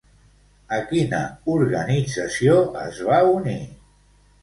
A quina organització es va unir?